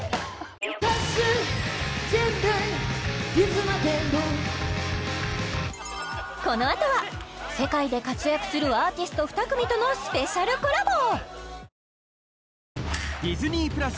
最終人類いつまでもこのあとは世界で活躍するアーティスト２組とのスペシャルコラボ！